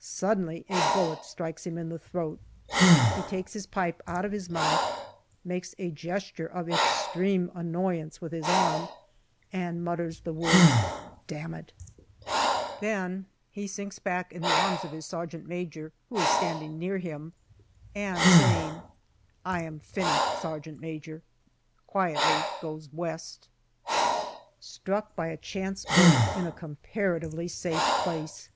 Suddenly a bullet strikes him in the throat ; he takes his pipe out of his mouth, makes a gesture of extreme annoyance with his arm, and mutters the words " Damn it !" Then he sinks back in the arms of his sergeant major, who is standing 17 258 GALLIPOLI DIARY near him, and saying, " I am finished, sergeant major," quietly goes West. Struck by a chance bullet in a comparatively safe place